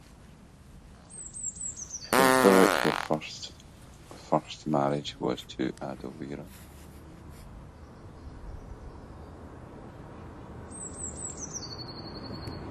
Chilperic the First's first marriage was to Audovera.